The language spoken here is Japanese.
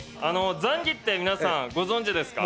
ザンギって皆さんご存じですか？